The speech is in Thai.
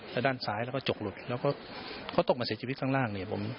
แล้วทางซ้ายมีจกหลุดแล้วตกมาเสียดีพลิกระชิบด้านล่าง